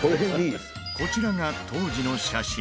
こちらが当時の写真。